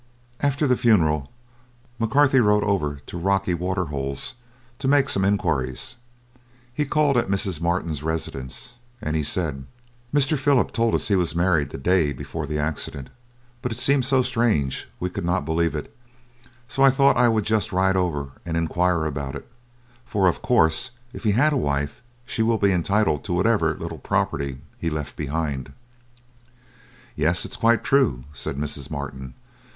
After the funeral, McCarthy rode over to the Rocky Waterholes to make some enquiries. He called at Mrs. Martin's residence, and he said: "Mr. Philip told us he was married the day before the accident, but it seemed so strange, we could not believe it; so I thought I would just ride over and enquire about it, for, of course, if he had a wife, she will be entitled to whatever little property he left behind him." "Yes, it's quite true," said Mrs. Martin.